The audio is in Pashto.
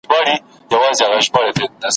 له بدنه سوه روح کمه